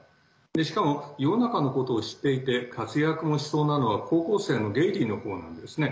しかも、世の中のことを知っていて活躍もしそうなのは、高校生のゲイリーのほうなんですね。